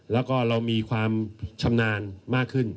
แล้วก็เรามีความชำนาญมากขึ้น